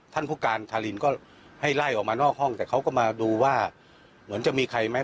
ท่านผู้การทารินก็ให้ไล่ออกมานอกห้องแต่เขาก็มาดูว่าเหมือนจะมีใครไหม